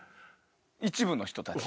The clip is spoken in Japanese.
一部の人たち？